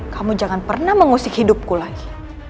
kamu jangan pernah mengusik hidupku lagi